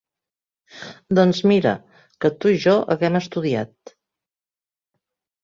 Doncs mira, que tu i jo haguem estudiat.